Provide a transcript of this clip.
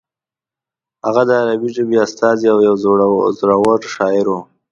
هغه د عربي ژبې استازی او یو زوړور شاعر و.